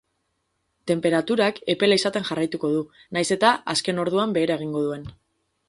Tenperaturak epela izaten jarraituko du, nahiz eta azken orduan behera egingo duen.